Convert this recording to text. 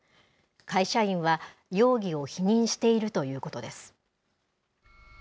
会社員は容疑を否認しているということです。